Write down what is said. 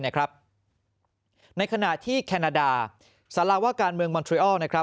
ในขณะที่แคนาดาสารว่าการเมืองมอนเทรอล